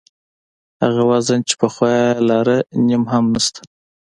هغه وزن چې پخوا یې لاره نیم هم نشته.